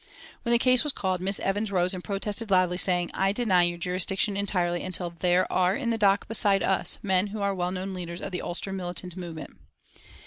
When the case was called Miss Evans rose and protested loudly, saying: "I deny your jurisdiction entirely until there are in the dock beside us men who are well known leaders of the Ulster militant movement."